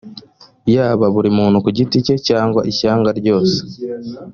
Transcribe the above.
yaba buri muntu ku giti ke cyangwa ishyanga ryose